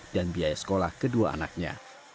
dan biaya sekolah kedua anaknya